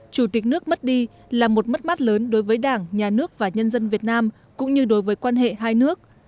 chủ tịch nước mất đi là một mất mát lớn đối với đảng nhà nước và nhân dân việt nam cũng như đối với quan hệ hai nước